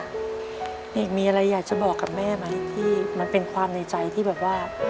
อันนี้มีอะไรอยากบอกกับแม่มันเป็นในใจที่แบบว่า